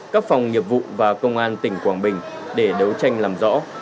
các phòng nghiệp vụ và công an tỉnh quảng bình để đấu tranh làm rõ